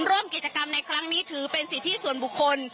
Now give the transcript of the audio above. ร่วมกิจกรรมในครั้งนี้ถือเป็นสิทธิส่วนบุคคล